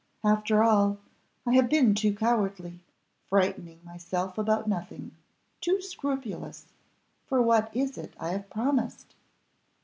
After all, I have been too cowardly; frightening myself about nothing; too scrupulous for what is it I have promised?